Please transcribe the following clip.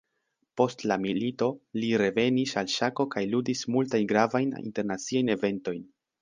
Post la milito, li revenis al ŝako kaj ludis multajn gravajn internaciajn eventojn.